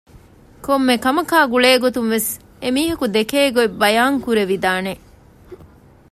ކޮންމެ ކަމަކާ ގުޅޭ ގޮތުންވެސް އެމީހަކު ދެކޭގޮތް ބަޔާން ކުރެވިދާނެ